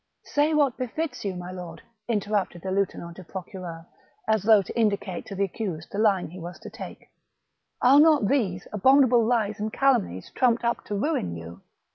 " Say what befits you, my lord,'* interrupted the lieutenant du procureur, as though to indicate to the accused the line he was to take :" are not these abominable lies and calumnies trumped up to ruin you